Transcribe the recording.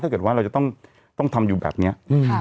ถ้าเกิดว่าเราจะต้องทำอยู่แบบนี้